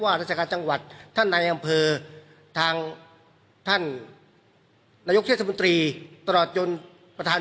ว่ารัฐกาลจังหวัดท่านนายัมเภอท่านายกเชษมนตรีตลอดโยนประทาน